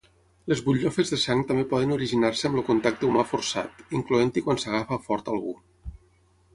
Les butllofes de sang també poden originar-se amb el contacte humà forçat, incloent-hi quan s'agafa fort algú.